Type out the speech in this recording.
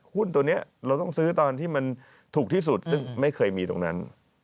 หุ้นตัวนี้เราต้องซื้อตอนที่มันถูกที่สุดซึ่งไม่เคยมีตรงนั้น